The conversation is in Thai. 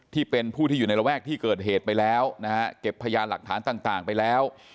ที่เป็นผู้ที่อยู่ในระแวกที่เกิดเหตุไปแล้วนะฮะเก็บพยานหลักฐานต่างไปแล้ว